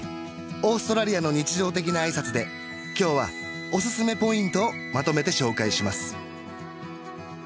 オーストラリアの日常的な挨拶で今日はオススメポイントをまとめて紹介します